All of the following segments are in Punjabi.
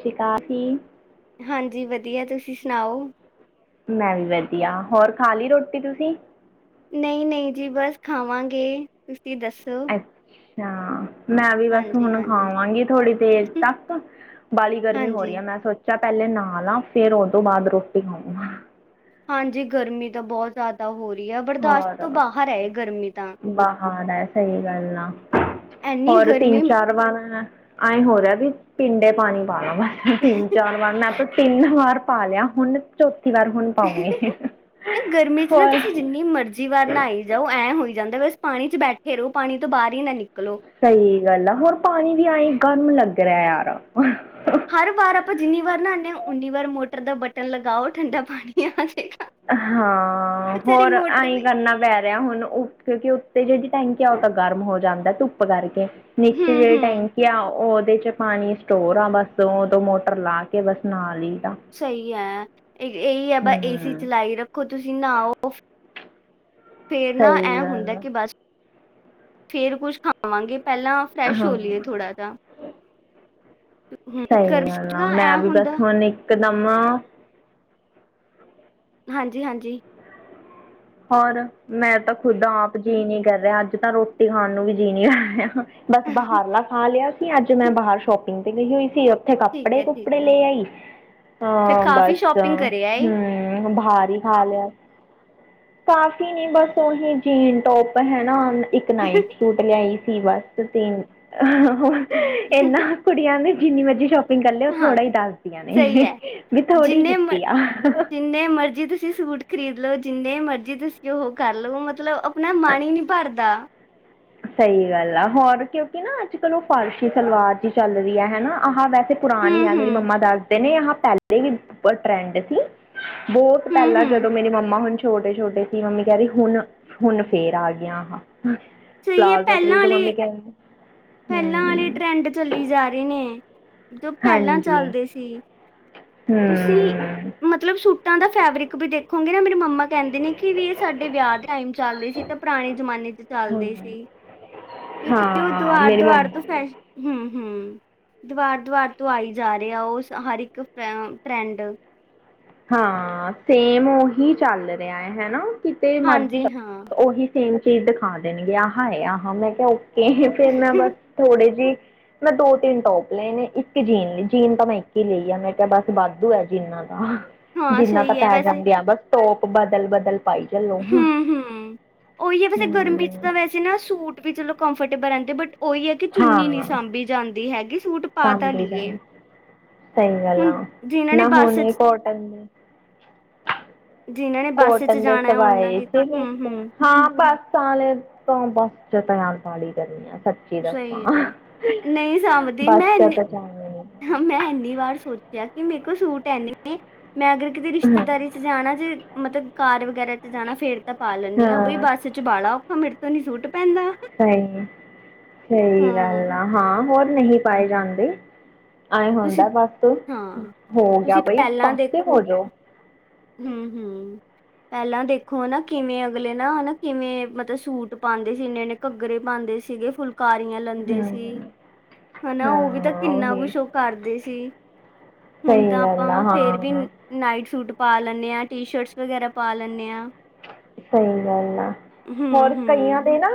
ਸਿਖਾਤੀ ਹਾਂਜੀ ਵਧੀਆ ਤੁਸੀ ਸੁਨਾਓ। ਮੈਂ ਵੀ ਵਧੀਆ ਹੋਰ ਖਾ ਲਈ ਰੋਟੀ ਤੁਸੀ। ਨਹੀਂ-ਨਹੀਂ ਜੀ ਬਸ ਖਾਵਾਂਗੇ। ਤੁਸੀ ਦੱਸੋ ਯਾਂ ਮੈਂ ਵੀ ਬਸ ਹਾਂਜੀ ਹੁਣ ਹਾਂਜੀ ਖਾਵਾਂਗੀ ਥੋੜੀ ਦੇਰ ਤੱਕ ਵੀ ਗਰਮੀ ਹੋ ਹਾਂਜੀ ਰਹੀ ਆ ਮੈਂ ਸੋਚ ਚਾ ਪਹਿਲੇ ਨਾ ਲਾ ਫੇਰ ਉਹ ਤੋਂ ਬਾਅਦ ਰੋਟੀ ਖਾਉਗੀ। ਹਾਂਜੀ। ਗਰਮੀ ਤਾਂ ਬਹੁਤ ਜ਼ਿਆਦਾ ਹੋ ਰਹੀ। ਹੈ ਬਰਦਾਸ਼ਤ ਹੋਰ, ਤੋਂ ਬਾਹਰ ਹੈ ਇਹ ਗਰਮੀ ਤਾਂ ਬਾਹਰ ਸਹੀਹੈ ਗੱਲ ਆ ਇੰਨੀ ਹੋਰ ਗਰਮੀ ਤਿੰਨ-ਚਾਰ ਵਾਰ। ਐ ਹੋ ਰਿਹਾ ਵੀ ਪਿੰਡੇ ਪਾਣੀ। ਪਾਇਆ ਮੈ ਤਿੰਨ- ਚਾਰ ਵਾਰ ਮੈਂ ਤੇ ਤਿੰਨ ਵਾਰ । ਪਾ ਲਿਆ ਹੁਣ। ਤੇ ਵਾਰ ਹੁਣ ਪਾਉਂਗੀ ਇਹ ਗਰਮੀ 'ਚ ਨਾ ਹੋਰ। ਤੁਸੀਂ ਜਿੰਨੀ ਮਰਜ਼ੀ ਵਾਰ ਨਾਈ ਜਾਓ ਐਂ ਹੋਈ। ਜਾਂਦਾ ਵਸ ਪਾਣੀ ਚ ਬੈਠੇ ਰਹੋ, ਪਾਣੀ ਤੋਂ ਬਾਹਰ ਹੀ ਨਾ ਨਿਕਲੋ। ਸਹੀ ਗੱਲ ਆ, ਹੋਰ ਪਾਣੀ ਵੀ ਆਏ। ਕਰਨ ਲੱਗ ਰਿਹਾ ਯਾਰ। ਹਰ ਵਾਰ ਆਪਾਂ ਜਿੰਨੀ ਵਾਰ ਨਹਾਉਦੇ ਹਾਂ। ਉਨੀ ਵਾਰ ਮੋ। ਟਰ ਦਾ ਬਟਨ ਲਗਾਓ ਠੰਡਾ ਪਾਣੀ ਆ ਜਾਂਦਾ। ਹਾਂ। ਹੋਰ ਐ ਮੋਟਰ ਈ ਵੀ ਕਰਨਾ ਪੈ ਰਿਹਾ ਹੁਣ। ਕਿਉਂਕਿ ਉੱਤੇ ਜਿਹੜੀ ਟੈਂਕੀ ਆ ਉਹ ਤਾਂ ਗਰਮ ਹੋ ਜਾਂਦਾ ਧੁੱਪ ਕਰਕੇ ਨੀਚੇ ਹੂੰ ਜਿਹੜੀ ਹੂੰ ਟੈਂਕੀ ਆ ਉਹ ਦੇ ਚ ਪਾਣੀ ਸਟੋਰ ਆ ਬਸ ਉ ਦੋ ਮੋਟਰ ਲਾ ਕੇ ਬਸ ਨਾਲ ਹੀ ਦਾ ਸਹੀ ਐ। ਇਹੀ ਹੈ ਬ ਏਸੀ ਹੂੰ ਚਲਾਈ ਰੱਖੋ ਤੁਸੀਂ ਨਾਓ ਫੇਰ ਨਾ ਸਹੀ ਇਹ ਹੁੰਦਾ ਗੱਲ ਕਿ ਆ ਬਸ ਫੇਰ ਕੁਛ ਖਾਂਵਾਂਗੇ। ਪਹਿਲਾਂ ਫਰੈਸ਼ ਹੋ ਹਾਂ ਲਈਏ ਥੋੜ੍ਹਾ ਜਿਹਾ ਹਮ, ਕਿਉਂਕਿ ਸਹੀ ਗਰਮੀ ਗੱਲ ਚ ਆ ਤਾਂ ਐ ਮੈਂ ਵੀ ਹੁੰਦਾ ਬਸ ਹੁਣ ਇੱਕ ਨੰਮਾ ਹਾਂਜੀ- ਹਾਂਜੀ। ਹੋਰ ਮੈਂ ਤਾਂ ਖੁੱਦ ਆਪ ਜੀ ਨੀ ਕਰ ਰਿਹਾ ਅੱਜ ਤਾਂ ਰੋਟੀ ਖਾਣ ਨੂੰ ਵੀ ਜੀ ਨੀ ਕਰ ਰਿਹਾ। ਬਸ ਬਾਹਰ ਲਾ ਖਾ ਲਿਆ। ਅੱਜ ਮੈਂ ਬਾਹਰ ਸ਼ੋਪਿੰਗ ਤੇ ਗਈ ਹੋਈ ਸੀ। ਉੱਥੇ ਠੀਕ ਹੈ ਠੀਕ ਕੱਪੜੇ-ਕੁਪੜੇ ਹੈ ਲੈ ਆਈ, ਫਿਰ ਹਾਂ ਕਾਫੀ ਬਸ ਸ਼ਾਪਿੰਗ ਕਰਿਆ ਏ ਹਮ ਬਾਹਰ। ਖਾ ਲਿਆ। ਕਾਫੀ ਨਹੀਂ ਬਸ ਉਹੀ ਜੀਨ ਟੋਪ ਹੈ ਨਾ। ਇਕ ਨਾਈਟ ਸੂਟ ਲਿਆ। ਸਹੀ ਵਾਸਤੇ ਸੇਮ। ਇਹਨਾ ਕੁੜੀਆਂ ਦੇ ਜਿੰਨੀ ਮਰਜ਼ੀ ਸ਼ਾਪਿੰਗ ਉਹ ਹਾਂ ਥੋੜ੍ਹਾ ਦੱਸਦੀਆਂ ਸਹੀ ਨੇ ਹੈ ਬੀ ਥੋੜੀ ਜਿੰਨੇ ਮਰ- ਦਿੱਤੀ ਆ। ਜਿੰਨੇ ਮਰਜ਼ੀ ਤੁਸੀਂ ਸੂਟ ਖਰੀਦ ਲਓ ਜਿੰਨੇ ਮਰਜ਼ੀ ਤੁਸੀਂ ਉਹ ਕਰ ਲਵੋ ਮਤਲਬ ਆਪਣਾ ਮਨ ਹੀ ਨੀ ਭਰਦਾ। ਸਹੀ ਗੱਲ ਆ ਹੋਰ ਕਿਉਂਕਿ ਨਾ ਅੱਜ-ਕੱਲ ਉਹ ਫਾਰਸ਼ੀ ਸਲਵਾਰ ਹੀ ਚੱਲ ਰਹੀ ਹੈ, ਹਨਾ ਆਹ ਵੈਸੇ [unintelligible] ਹੂੰ ਪੁਰਾਣੇ ਜਮਾਨੇ ਦੀ ਹੂੰ ਆ ਗਈ [unintelligible] ਚਲਦੀ ਵੀ ਪਈ ਹ ਬਹੁਤ ਟਰੈਂਡ ਚ ਬਹੁਤ ਹੂੰ ਪਹਿਲਾਂ ਹੂੰ ਜਦੋਂ ਮੇਰੀ ਮੰਮਾ ਹੁਣ ਛੋਟੇ-ਛੋਟੇ ਮੰਮੀ ਕਹਿ ਰਹੀ ਹੁਣ-ਹੁਣ ਫੇਰ ਆ ਗਿਆਾਂ। [unintelligible] ਸਹੀ ਹੈ ਪਲਾਜ਼ੋ ਪਹਿਲਾਂ ਵਾਲੇ ਮਮੀ ਕਹਿੰਦੇ ਪਹਿਲਾਂ ਆਲ਼ੇ ਟਰੈਂਡ ਚੱਲੀ ਜਾ ਰਹੇ ਨੇ। ਜੋ ਪਹਿਲਾਂ ਹਾਂਜੀ ਚੱਲਦੇ ਸੀ, ਹੂੰ ਤੁਸੀਂ ਮਤਲਬ ਸੁੱ [unintelligible] ਉਹਨਾਂ ਦੇ ਫੈਬਰਿਕ ਵਿੱਚ ਵੀ ਦੇਖੋਂਗੇ ਮੇਰੇ ਮੰਮਾ ਮੰਮਾ ਕਹਿੰਦੇ ਨੇ ਕਿ ਵੀ ਇਹ ਸਾਡੇ ਵਿਆਹ ਦੇ ਟਾਈਮ ਚੱਲਦੇ ਸੀ, ਤੇ ਪੁਰਾਣੇ ਜਮਾਨੇ ਚ ਹਾਂ ਚੱਲਦੇ ਸੀ, ਕਿਉਂਕਿ ਉਹ ਹਾਂ ਮੇਰੀ ਹਰਦੁਵਾਰ ਮੰਮਾ ਤੋਂ ਫੇਰ ਹਮ ਹਮ ਦਵਾਰ ਦਵਾਰ ਤੋਂ ਆਈ ਜਾ ਰਿਹਾ ਆ ਉਹ ਹਰ ਇੱਕ ਟਰੈਂਡ। ਹਾਂ ਸੇਮ ਉਹੀ ਚੱਲ ਰਿਹਾ ਹੈ ਹਨਾ। ਹਾਂਜੀ ਹਾਂ [unintelligible] ਚੀਜ਼ ਦਿਖਾ ਦੇਣਗੇ ਆਹਾ ਏ ਆਹਾਂ ਮੈਂ ਕਿਹਾ ਫੇਰ ਮੈਂ ਬਸ ਥੋੜੇ ਜਿ ਮੈਂ ਦੋ ਤਿੰਨ ਟੋਪ ਲਏ ਨੇ, ਇੱਕ ਜੀਨ, ਜੀਨ ਤਾਂ ਮੈਂ ਇੱਕ ਹੀ ਲਈ ਆ ਮੈਂ ਕਿਹਾ ਬਸ ਵਾਧੂ ਹੈ ਜੀਨਾਂ ਤਾਂ ਹਾਂ ਸਹੀ ਹੈ [unintelligible] ਟੋਪ ਬਦਲ ਬਦਲ ਪਾਈ ਚੱਲੋ ਹਮ ਹਮ ਉਹੀ ਹੈ, ਵੈਸੇ ਗਰਮੀ ਚ ਹਮ, ਤਾਂ ਵੈਸੇ ਨਾ ਸੂਟ ਵੀ ਚਲੋ ਕੰਫ [unintelligible] ਉਹੀ ਹੈ ਕਿ ਚੁੰਨੀ ਨਹੀਂ ਹਾਂ ਸਾਂਭੀ ਜਾਂਦੀ ਹੈਗੀ ਸੂਟ ਪਾ ਤਾਂ ਸਾਂਭੀ ਲਈਏ। ਜਾਣ ਸਹੀ ਗੱਲ ਹੁਣ ਆ ਜਿਨ੍ਹਾਂ ਨੇ ਮੈਂ ਹੁਣ ਬੱਸ 'ਚ ਵੀ ਕੋਟਨ ਜਿਨ੍ਹਾਂ ਨੇ ਬੱਸ 'ਚ ਕੋਟਨ ਦੇ ਜਾਣਾ ਹੈ ਉਹਨਾਂ ਸਵਾਏ, ਲਈ ਤਾਂ ਹੂੰ ਹੂੰ ਹਾਂ ਬਸ [unintelligible] ਦੱਸਾਂ ਸਹੀ ਏਂ ਨਹੀਂ ਸਾਭਦੀ ਬਸ ਮੈਂ ਚ ਇਹਨੀਂ ਤਾਂ ਜਾਣਾ ਨਹੀਂ ਹਹ ਮੈਂ ਇੰਹਨੀਂ ਵਾਰ ਸੋਚਿਆ। ਤੇ ਕੁਛ ਨੂੰ ਟਾਈਮ ਨੀ ਐ। ਮੈਂ ਅਗਰ ਕਿਤੇ ਰਿਸ਼ਤੇਦਾਰੀ ਚ ਜਾਣਾ ਜੇ। ਮਤਲਬ ਕਾਰ ਵਗੈਰਾ ਚ ਜਾਣਾ ਫੇਰ ਤਾ ਪਾ ਲੈਂਨੀਂਆ ਬਈ ਹਾਂ ਬੱਸ ਚ ਬਾਲਾ ਔਖਾ ਮੇਰੇ ਤੋ ਨੀ ਸੂਟ ਪੈਂਦਾ ਸਹੀ ਸਹੀ ਹਾਂ ਗੱਲ ਆ ਹਾਂ। ਹੋਰ ਨਹੀਂ ਪਾਏ ਜਾਂਦੇ। ਅਏਂ ਤੁਸੀਂ ਹੁੰਦਾ ਬਸ ਹਾਂ ਹੋ ਗਿਆ ਤੁਸੀਂ ਬਈ ਪਹਿਲਾਂ ਪਾਸੇ ਦੇਖੋ ਹੋ ਜਾਓ। ਹੂੰ-ਹੂੰ। ਪਹਿਲਾਂ ਦੇਖੋ ਨਾ ਕਿਵੇਂ ਅਗਲੇ ਨਾ ਹਨਾ ਕਿਵੇਂ ਮਤਲਬ ਸੂਟ ਪਾਉਂਦੇ ਸੀ ਇੰਨੇ ਇੰਨੇ ਘੱਗਰੇ ਪਾਉਂਦੇ ਸੀਗੇ ਫੁਲ ਕਾਰੀਆਂ ਲੈਂਦੇ ਸੀ ਹਮ ਹਨਾ ਉਹ ਵੀ ਤਾ ਹਾਂ ਕਿੰਨਾ ਉਹੀ ਕੁਛ ਔ ਕਰਦੇ ਸੀ ਹੁਨ ਸਹੀ ਤਾਂ ਗੱਲ ਆ ਆਪਾਂ ਫੇਰ ਵੀ ਨ ਹਾਂ ਨਾਈਟ ਸੂਟ ਪਾ ਲੈਂਨੇਂ ਹਾਂ ਟੀ ਸ਼ਰਟਸ ਵਗੈਰਾ ਪਾ ਲੈਂਨੇਂ ਹਾਂ। ਸਹੀ ਗੱਲ ਆ ਹੋਰ ਕਈਆਂ ਹੂੰ-ਹੂੰ, ਦੇ ਨਾਂ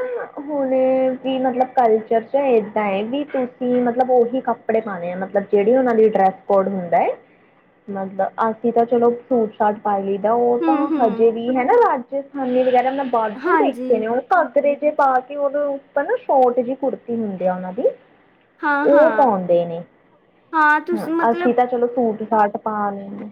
ਹੁਣੇ ਵੀ ਮਤਲਬ ਕਲਚਰ ਚ ਇਹਦਾਂ ਏ ਵੀ ਤੁਸੀ ਮਤਲਬ ਉਹੀ ਕੱਪੜੇ ਪਾਉਨੇ ਹੈਂ ਮਤਲਬ ਜਿਹੜੀ ਉਹਨਾਂ ਦੀ ਡਰੈਸ ਕੋਡ ਹੁੰਦਾ ਏ ਮਤਲਬ ਅਸੀ ਤਾ ਚਲੋ ਸੂਟ ਸਾਟ ਪਾ ਲਈ ਦਾ ਓਂਹ ਤਾਂ ਹੂੰ-ਹੂੰ, ਹਜੇ ਵੀ ਹੇਨਾ ਰਾਜਸਥਾਨੀ ਵਗੈਰਾ ਮੈਂ ਵਾਧੂ ਹਾਂਜੀ, ਦੇਖੇ ਨੇ ਉਹ ਘਰ। ਘਰੇ ਜੇ ਪਾ ਕੇ ਉਹਦੇ ਉੱਪਰ ਨਾ ਸ਼ੋਰਟ ਜਿਹੀ ਕੁੜਤੀ ਹੁੰਦੀ ਆ ਉਹਨਾਂ ਦੀ। ਹਾਂ-ਹਾਂ, ਉਹ ਹਾਂ ਪਾਉਂਦੇ ਨੇਂ ਹਾਂ ਹੰ ਤੁਸੀਂ ਮਤਲਬ ਅਸੀ ਤਾ ਚਲੋ ਸੂਟ ਸ਼ਰਟ ਪਾ ਲੈਨਗੇ।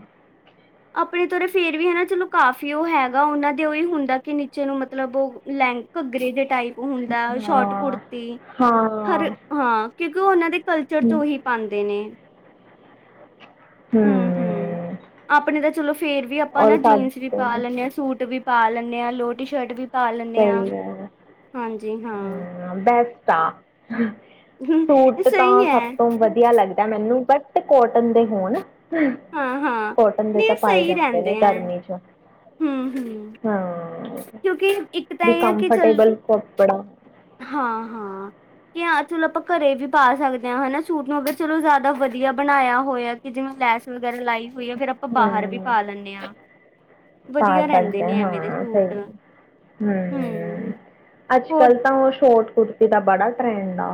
ਆਪਣੇ ਤੇ ਉਰੇ ਫੇਰ ਵੀ ਹਨਾ ਚਲੋ ਕਾਫੀ ਉਹ ਹੈਗਾ ਉਹਨਾਂ ਦੇ ਓਹੀ ਹੁੰਦਾ ਕਿ ਨੀਚੇ ਨੂੰ ਮਤਲਬ ਉਹ ਲੈਂ ਘੱਘਰੇ ਦੇ ਟਾਈਪ। ਹੁੰਦਾ ਔਰ ਸ਼ੋਟ ਹਾਂ। ਕੁੜਤੀ ਹਰ ਹਾਂ ਹਾਂ। ਕਿਉਂਕਿ ਉਹਨਾਂ ਦੇ ਕਲਚਰ ਚ ਹੂੰ। ਉਹੀ ਪਾਉਂਦੇ ਨੇਂ। ਹਮ-ਹਮ ਹੂੰ ਆਪਣੇ ਤਾ ਚਲੋ ਫੇਰ ਵੀ ਆਪਾਂ ਔਰ ਨਾ ਜੀਂਸ ਵੀ ਸਾਡੇ ਪਾ ਤਾਂ ਲੈਂਨੇਂਆ ਸੂਟ ਵੀ। ਜੀਨ ਲੋ ਟੋਪ ਸ਼ੋਪ ਪਾ ਲੈਦੇ ਆ ਪਾ ਲੈਂਨੇਂ ਹਾਂ ਸਹੀ ਹੈ ਹਾਂਜੀ ਹਾਂ। ਤਾਂ ਹੁਹ ਸੂਟ ਸਹੀ ਤਾਂ ਐ ਸਭ ਤੋਂ ਵਧੀਆ ਲੱਗਦਾ ਏ ਮੈਨੂੰ ਬਟ ਤੇ ਕੋਟਨ ਦੇ ਹੋਣ। ਹੁਹ ਹਾਂ-ਹਾਂ। ਕੋਟਨ ਦੇ ਤਾ ਨਹੀਂ ਪਾਏ ਸਹੀ ਜਾਂਦੇ ਰਹਿੰਦੇ ਨੇਂ ਐ ਗਰਮੀ ਚ ਹੂੰ-ਹੂੰ ਹਾਂ। ਕਿਉਂਕਿ ਇੱਕ ਤਾ ਵੀ ਇਹ ਹੈ ਕਿ ਚੱਲ ਕੰਫਰਟੇਬਲ ਕੱਪੜਾ ਹਾਂ-ਹਾਂ। ਕਿ ਹਾਂ ਚਲੋ ਆਪਾਂ ਘਰੇ ਵੀ ਪਾ ਸਕਦੇ ਹਾਂ, ਹਨਾ ਸੂਟ ਨੂੰ ਅਗਰ ਚਲੋ ਜ਼ਿਆਦਾ ਵਧੀਆ ਬਣਾਇਆ ਹੋਇਆ ਕਿ ਜਿਵੇਂ ਲੈਸ ਵਗੈਰਾ ਲਾਈ ਹੋਈ ਹੈ। ਫਿਰ ਆਪਾਂ ਬਾਹਰ ਵੀ ਹਾਂ ਪਾ ਲੈਂਦੇ ਹਾਂ। ਪਾ ਵਧੀਆ ਰਹਿੰਦੇ ਸਕਦੇ ਨੇ ਹਾਂ ਐਵੇਂ ਦੇ ਹਾਂ ਸਹੀ ਸੂਟ ਹਮ ਹੂੰ, ਅੱਜ ਕੱਲ ਹੋਰ ਤਾਂ ਉਹ ਸ਼ੋਰਟ ਕੁੁਰਤੀ ਦਾ ਬੜਾ ਟਰੈਂਡ ਆ।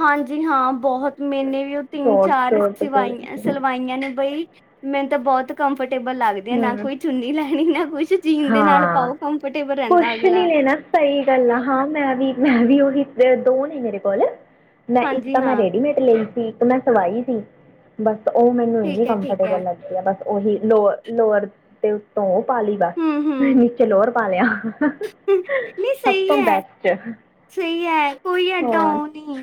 ਹਾਂਜੀ। ਹਾਂ ਬਹੁਤ ਮੇਨੇ ਵੀ ਉਹ ਤਿੰਨ, ਸ਼ੋਰਟ ਚਾਰ ਸ਼ੋਰਟ ਸਵਾਈਆਂ ਕੁੜਤੀ ਸਵਾਈਆਂ ਨੇ ਬਈ। ਮੈਨੂੰ ਤਾਂ ਬਹੁਤ ਕੰਫ ਕੰਫਰਟੇਬਲ ਲੱਗਦੇ ਆ ਨਾ ਹਮ ਕੋਈ ਚੁੰਨੀ ਲੈਣੀ ਨਾ ਕੁਛ ਜੀਨ ਦੇ ਨਾਲ ਹਾਂ ਪਾਓ ਕੰਫਰਟੇਬਲ ਰਹਿੰਦਾ ਕੁਛ ਨਹੀਂ ਅਗਲਾ। ਲੈਣਾ ਸਹੀ ਗੱਲ ਆ ਹਾਂ ਮੈਂ ਵੀ ਮੈਂ ਵੀ ਉਹੀ ਦੋ ਨਹੀਂ ਮੇਰੇ ਕੋਲ। ਮੈਂ ਇੱਕ ਹਾਂਜੀ ਤਾਂ ਮੈਂ ਹਾਂ ਰੇਡੀਮੇਟ ਲਈ। ਠੀਕ ਮੈਂ ਸਵਾਈ ਸੀ ਬਸ ਉਹ ਮੈਨੂੰ ਇੰਨੀ ਠੀਕ ਹੈ ਠੀਕ ਕੰਫਰਟੇਬਲ ਲੱਗਦੀ ਹੈ ਬਸ ਉਹੀ ਲੋਅਰ ਲੋਵਰ ਦੇ ਉੱਤੋਂ [unintelligible] ਹੂੰ-ਹੂੰ। ਨੀਚੇ ਲੋਵੇਰ ਪਾਲਿਆ। ਨਹੀਂ ਸਹੀ ਹੈ ਸਹੀ ਹੈ ਕੋਈ ਐਡਾ ਹੋਰ ਉਹ ਨਹੀਂ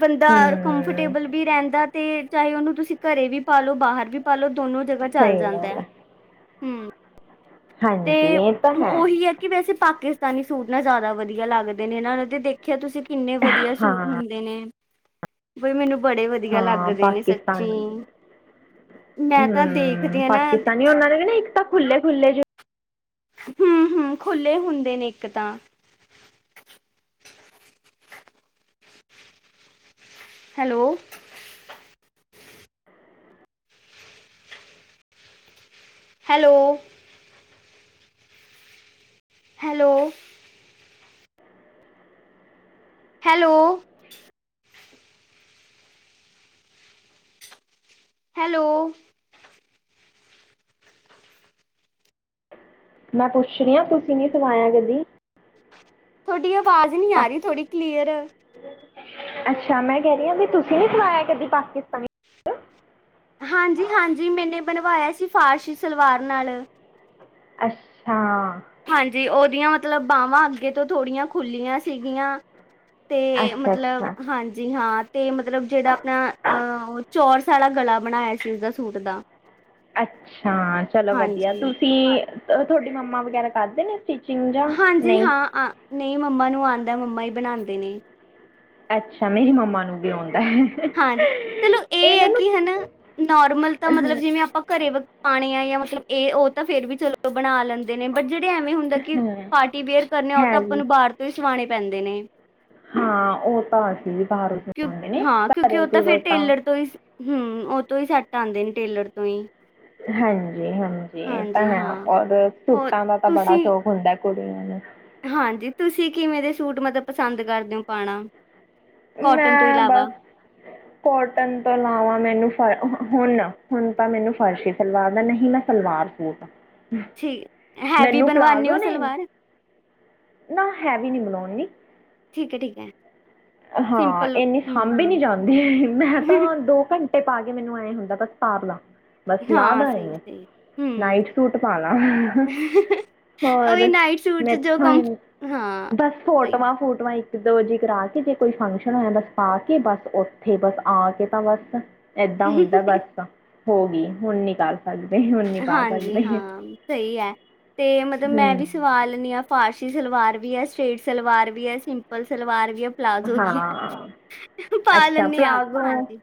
ਬੰਦਾ ਹਮ ਕੰਫਰਟੇਬਲ ਵੀ ਰਹਿੰਦਾ ਤੇ ਚਾਹੇ ਉਹਨੂੰ ਤੁਸੀਂ ਘਰੇ ਵੀ ਪਾਲੋ ਬਾਹਰ ਵੀ ਪਾਲ ਲੋ। ਦੋਨੋ ਜਗ੍ਹਾ ਚੱਲ ਸਹੀ ਜਾਂਦਾ ਗੱਲ ਹੈ। ਹੂੰ। ਹਾਂਜੀ ਤੇ ਇਹ ਤਾਂ ਉਹੀ ਹੈ ਕਿ ਵੈਸੇ ਪਾ ਪਾਕਿਸਤਾਨੀ ਸੂਟ ਨਾ ਜ਼ਿਆਦਾ ਵਧੀਆ ਲੱਗਦੇ ਨੇ ਇਹਨਾਂ ਤੇ ਦੇਖਿਆ ਤੁਸੀਂ। ਕਿੰਨੇ ਵਧੀਆ ਸੂਟ ਹਾਂ ਹੁੰਦੇ ਨੇ। ਬ ਮੈਨੂੰ ਬੜੇ ਵਧੀਆ ਹਾਂ ਲੱਗਦੇ ਨੇ ਸੱਚੀ ਪਾਕਿਸਤਾਨੀ ਮੈਂ ਤਾਂ ਹਮ ਦੇਖਦੀ ਹਾਂ ਨਾ ਪਾਕਿਸਤਾਨੀ ਉਹਨਾਂ ਦੇ ਨਾ ਇੱਕ ਤਾਂ ਖੁੱਲ੍ਹੇ-ਖੁੱਲ੍ਹੇ ਜੋ ਹਮ-ਹਮ ਖੁੱਲ੍ਹੇ ਹੁੰਦੇ ਨੇ ਇੱਕ ਤਾਂ। Hello. Hello. Hello. Hello. Hello. ਮੈਂ ਪੁੱਛ ਰਹੀ ਹ ਤੁਸੀਂ ਨੀ ਸਵਾਇਆ ਕਦੀ। ਤੁਹਾਡੀਆਂ ਆਵਾਜ਼ ਨਹੀਂ ਪਾ ਆ ਰਹੀ ਥੋੜੀ ਕਲੀਅਰ। ਅੱਛਾ ਮੈਂ ਕਹਿ ਰਹੀ ਹਾਂ ਵੀ ਤੁਸੀਂ ਨਹੀਂ ਸਵਾਇਆ ਕਦੀ ਪਾਕਿਸਤਾਨੀ ਸੂਟ ਹਾਂਜੀ ਹਾਂਜੀ ਮੈਨੇ ਬਣਵਾਇਆ ਸੀ ਫਰਸੀ ਸਲਵਾਰ ਨਾਲ। ਅੱਛਾ। ਹਾਂਜੀ ਉਹ- ਉਹਦੀਆਂ ਮਤਲਬ ਬਾਹਵਾਂ ਅੱਗੇ ਤੋਂ ਥੋੜੀਆਂ ਖੁੱਲੀਆਂ ਸੀਗੀਆਂ- ਤੇ ਅੱਛਾ ਮਤਲਬ ਅੱਛਾ ਹਾਂਜੀ ਹਾਂ- ਤੇ ਮਤਲਬ ਜਿਹੜਾ ਆਪਣਾ ਅ ਚੋਰਸ ਆਲਾ ਗਲਾ ਬਣਾਇਆ ਸੀ ਉਹਦਾ ਸੂਟ ਦਾ। ਅੱਛਾ ਚਲੋ ਵਧੀਆ ਹਾਂਜੀ ਤੁਸੀਂ- ਤੁਹਾਡੀ ਮੰਮਾ ਵਗੈਰਾ ਕਰਦੇ ਨੇ- ਸਟਿਚਿੰਗ ਜਾਂ ਹਾਂਜੀ ਨਹੀਂ ਹਾਂ ਅ ਨਹੀਂ ਮੰਮਾ ਨੂੰ ਆ- ਮੰਮਾ ਹੀ ਬਣਾਦੇ ਨੇ। ਅੱਛਾ ਮੇਰੀ ਮੰਮਾ ਨੂੰ ਔਦੇ- ਹਾਂਜੀ ਚਲੋ ਇਹ ਹੈ ਨੂੰ ਕਿ ਹਨਾ ਨੋਰਮਲ ਤਾਂ ਮਤਲਬ ਜਿਵੇਂ ਆਪਾਂ ਘਰੇ ਪਾਣੇ ਆ ਜਾਂ- ਮਤਲਬ ਇਹ ਉਹ ਤਾਂ ਫੇਰ ਵੀ ਚਲੋ ਬਣਾ ਲੈਣ- ਲੈਂਦੇ ਨੇ ਬਟ ਜਿਹੜੇ ਐਵੇਂ ਹੁੰਦਾ ਕਿ ਹਾਂ, ਪਾਰਟੀ ਵੇਅਰ ਕਰਨੇ ਆ ਉਹ ਤਾਂ ਹੈ ਆਪਾਂ ਜੀ ਨੂੰ ਬਾਹਰ ਤੋਂ ਹੀ ਸਵਾਣੇ- ਪੈਂਦੇ ਨੇ। ਹਾਂ ਉਹ ਤਾਂ ਅਸੀਂ ਵੀ- ਬਾਹਰੋਂ ਕਿਉ ਸਵਾਉਂਦੇ ਨੇ ਹਾਂ ਕਿਉਂਕਿ ਘਰੇ ਉਹ ਤਾਂ ਘਰੇ ਫਿਰ ਟੇਲਰ ਤੋਂ ਹੀ ਹਮ- ਤੋਂ ਹੀ ਸੈੱਟ ਆਉਂਦੇ ਨੇ ਟੇਲਰ ਤੋਂ ਹੀ। ਹਾਂਜੀ ਹਾਂਜੀ ਇਹ ਤਾਂ ਹਾਂਜੀ ਹੈ ਹਾਂ ਔਰ ਹੋਰ ਸੂਟਾ ਦਾ ਤਾਂ ਬੜਾ ਤੁਸੀਂ ਸ਼ੌਕ ਹੁੰਦਾ- ਕੁੜੀਆਂ ਨੂੰ- ਹਾਂਜੀ ਤੁਸੀਂ ਕਿਵੇਂ ਦੇ ਸੂਟ ਮਤਲਬ ਪਸੰਦ ਕਰਦੇ ਹੋ ਪਾਣਾ? ਕੋਟਨ ਤੋਂ ਮੈਂ ਇਲਾਵਾ ਬਸ ਕੋਟਨ ਤੋਂ ਲਾਵਾਂ ਮੈਨੂੰ ਫਿਰ- ਹੁਣ ਹੁਣ ਤਾਂ ਮੈਨੂੰ ਫਰਸ਼ੀ ਸਲਵਾਰ ਦਾ ਨਹੀਂ ਨਾ ਸਲਵਾਰ ਸੂਟ- ਠੀਕ- ਹੈਵੀ ਮੈਨੂੰ ਬਣਾਉਦੇ ਪਲਾਜ਼ੋ ਹੋ ਨੇ ਸਲਵਾਰ? ਨਾ ਹੈਵੀ ਨਹੀਂ ਬਣਾਉਣੀ- ਠੀਕ ਐ ਠੀਕ ਐ। ਹਾਂ ਇੰਨੀੇ ਸਾਂਭੀ ਨਹੀਂ ਹੂੰ। ਜਾਂਦੀ ਮੈਂ ਤਾਂ ਦੋ ਘੰਟੇ- ਟੇ ਪਾ ਕੇ ਮੈਨੂੰ ਐਂ ਹੁੰਦਾ ਬਸ ਸਾਰ ਲਵਾਂ ਬਸ ਲਾਹ ਹਾਂ, ਦਾ ਇਹਨੂੰ ਸਹੀ-ਸਹੀ ਹੂੰ। ਨਾਈਟ ਸੂਟ ਪਾ ਲਾ ਉਹੀ ਹੋਰ ਨਾਈਟ ਸੂਟ 'ਚ ਜੋ ਮੇਥੋਂ ਕੰਫ ਹਾਂ, ਬਸ ਸਹੀ। ਫੂਟਵਾਂ- ਫੋਟੋਵਾਂ [unintelligible] ਦੋ ਜੀ ਕਰਾ ਕੇ ਜੇ- ਕੋਈ ਫੰਕਸ਼ਨ ਹੋਇਆ ਬਸ ਪਾ ਕੇ ਬਸ ਉੱਥੇ ਬਸ ਆ ਕੇ ਤਾਂ ਬਸ- ਏਦਾਂ ਹੁੰਦਾ ਬਸ ਤਾਂ- ਹੋ ਗਈ ਹੁਣ ਨੀ ਕਲ- ਹਾਂਜੀ ਹਾਂ ਸਹੀ ਹੈ ਤੇ ਮਤਲਬ ਮੈਂ ਹੂੰ ਵੀ ਸਵਾ ਲੈਣੀ ਆ ਫਾਰਸ਼- ਸਲਵਾਰ ਵੀ ਆ, ਸਟ੍ਰੇਟ ਸਲਵਾਰ ਵੀ ਆ, ਸਿੰਪਲ ਸਲਵਾਰ ਵੀ ਹੈ- ਪਲਾਜ਼ੋ ਵੀ ਹੈ। ਹਾਂ, ਪਾ ਅੱਛਾ ਲੈਂਨੇ ਆ, ਪਲਾਜੋ ਹਾਂਜੀ,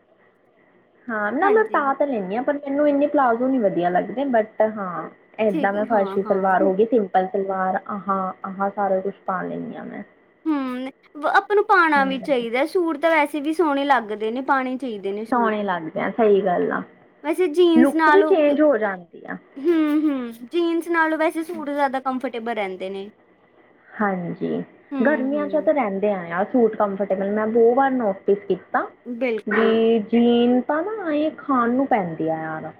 ਹਾਂ ਨਾ ਮੈਂ ਹਾਂਜੀ। ਪਾ ਤਾਂ ਲੈਂਨੀ ਆ ਪਰ- ਮੈਨੂੰ ਇੰਨੇ ਪਲਾਜ਼ੋ ਨੀ ਵਧੀਆ ਲੱਗਦੇ ਬਟ ਹਾਂ- ਏਦਾਂ ਠੀਕ ਮੈਂ ਹਾਂ, ਫਰਸ਼ੀ ਹਾਂ। ਸਲਵਾਰ ਹੋ ਗਈ ਤੀ- ਪਲ ਸਲਵਾਰ ਆਹਾ ਆਹਾ ਸਾਰਾ ਕੁਛ ਪਾ ਲੈਂਨੀ ਆ ਮੈਂ- ਹਮ ਵ- ਥੋਨੂੰ ਪਾਣਾ ਹੂੰ ਵੀ ਚਾਹੀਦਾ ਸੂਟ ਤਾਂ ਵੈਸੇ- ਫਿਰ ਵੀ ਸੋਹਣੇ ਲੱਗਦੇ ਨੇ ਪਾਨੇ- ਸੋਹਣੇ ਲੱਗਦੇ ਆ ਸਹੀ- ਗੱਲ ਆ। ਵੈਸੇ ਜੀਨਸ ਲੁੱਕ ਵੀ ਨਾਲੋਂ ਚੇਂਜ ਹੋ ਜਾਂਦੀ ਆ ਹਮ ਹਮ ਜੀਨਸ ਨਾਲੋਂ ਵੈਸੇ ਸੂਟ ਜ਼ਿਆਦਾ ਕੰਫਰਟੇਬਲ ਟੇਬਲ ਰਹਿੰਦੇ ਨੇ। ਹਾਂਜੀ ਗਰਮੀਆਂ ਚੋਂ ਹੂੰ-ਹੂੰ, ਤਾਂ ਰਹਿੰਦੇ ਆ- ਸੂਟ ਕੰਫਰਟੇਬਲ ਮੈਂ ਬਹੁ ਵਾਰ ਨੋਟਸ ਕੀਤੀ- ਤਾ ਬਿਲਕੁਲ ਜੀਨ ਜੀਨ- ਆਪਾਂ ਨਾ ਏਹ ਖਾਣ ਨੂੰ ਪੈਂਦਾ- [unintelligible] ਨੂੰ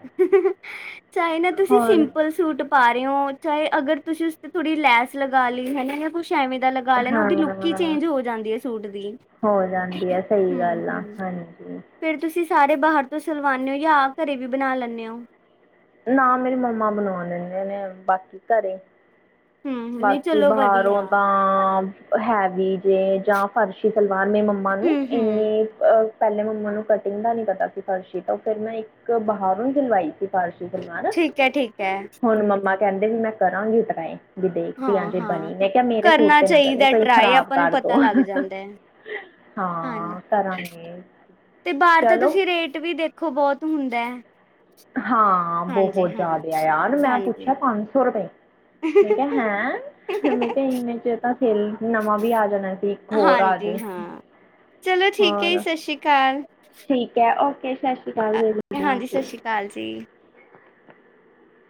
ਚਾਹੇ ਨਾ ਤੁਸੀਂ ਸਿੰਪਲ ਸੂਟ ਪਾ ਰਹੇ ਹੋ ਚਾਹੇ ਅਗਰ ਤੁਸੀਂ ਉਸ ਤੇ ਥੋੜੀ ਲੈਸ ਲਗਾ ਲਈ ਹਨਾਂ ਜਾਂ ਕੁਛ ਕੁੱਝ ਐਵੇਂ ਦਾ ਲਗਾ ਲੈਣਾ ਉਹਦੀ ਲੁੱਕ ਹੀ ਹਾਂ ਚੇਂਜ ਹੋ ਜਾਂਦੀ ਹੈ ਸੂਟ ਦੀ, ਹੋ ਜਾਂਦੀ ਹਮ ਆ ਸਹੀ ਗੱਲ ਆ ਹਮ ਹਾਂਜੀ ਫੇਰ ਤੁਸੀਂ ਸਾਰੇ ਬਾਹਰ ਤੋਂ ਸਿਲਵਾਨੇ ਹੋ ਜਾਂ ਆ ਘਰੇ ਵੀ ਬਣਾ ਲੈਂਨੇ ਓ? ਨਾ ਮੇਰੀ ਮੰਮਾ ਬਨੋਂ ਦਿੰਦੇ ਨੇ ਬਾਕੀ ਘਰੇ ਹੂੰ, ਨਹੀਂ ਬਾਕੀ ਚਲੋ ਬਾਹਰੋਂ ਵਧੀਆ ਤਾਂ ਹੈਵੀ ਜੇ ਜਾਂ ਫਰਸ਼ੀ ਸਲਵਾਰ ਮੇਰੀ ਮੰਮਾ ਨੂੰ ਹੂੰ-ਹੂੰ। ਇੰਨੀ ਅ ਪਹਿਲੇ ਮੰਮਾ ਨੂੰ ਕਟਿੰਗ ਦਾ ਨੀ ਪਤਾ ਸੀ ਫਰਸ਼ੀ ਤਾਂ ਉਹ ਫਿਰ ਮੈਂ ਇੱਕ ਬਾਹਰੋਂ ਸਿਲਵਾਈ ਸੀ। ਫਰਸ਼ੀ ਸਲਵਾਰ ਠੀਕ ਹੈ ਠੀਕ ਹੈ ਹੁਣ ਮੰਮਾ ਕਹਿੰਦੇ ਵੀ ਮੈਂ ਕਰਾਂਗੀ ਟਰਾਏ ਹਾਂ ਹਾਂ ਕਰਨਾ ਤੇ ਨਾ ਕਰਿਓ ਚਾਹੀਦਾ ਕਈ ਟਰਾਏ ਖਰਾਬ ਆਪਾਂ ਨੂੰ ਕਰ ਦੋ ਪਤਾ ਲੱਗ ਜਾਂਦਾ ਐ, ਹਾਂ ਹਾਂਜੀ ਕਰਾਂਗੇ ਤੇ ਬਾਹਰ ਤਾਂ ਚਲੋ ਤੁਸੀਂ ਰੇਟ ਵੀ ਦੇਖੋ ਬਹੁਤ ਹੁੰਦਾ ਐ ਹਾਂ ਬਹੁਤ ਜ਼ਿਆਦਾ ਆ ਯਾਰ ਮੈਂ ਹਾਂਜੀ ਪੁੱਛਿਆ ਪੰਜ ਸੌ ਰੁਪੈ ਮੈਂ ਕਿਹਾ ਹੈਂ ਮੈਂ ਕਿਹਾ ਇਨੇ ਚ ਤਾਂ ਸਿਲ ਨਵਾਂ ਵੀ ਆ ਜਾਣਾ ਸੀ, ਇੱਕ ਹੋਰ ਆ ਜੇ ਹਾਂਜੀ ਹਾਂ ਚਲੋ ਠੀਕ ਹੈ ਜੀ ਹੋਰ ਸਤਿ ਸ਼੍ਰੀ ਅਕਾਲ ਠੀਕ ਐ ਸਤਿ ਸ਼੍ਰੀ ਅਕਾਲ ਅ ਹਾਂਜੀ ਸਤਿ ਸ਼੍ਰੀ ਅਕਾਲ [unintelligible] ਜੀ,